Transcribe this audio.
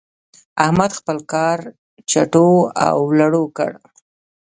احمد خپل کار چټو او لړو کړ.